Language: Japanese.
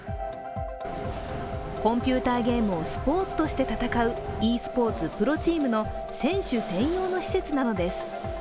コンピューターゲームをスポーツとして戦うｅスポーツプロチームの選手専用の施設なのです。